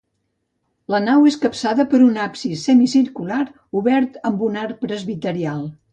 La nau és capçada per un absis semicircular, obert amb un arc presbiteral.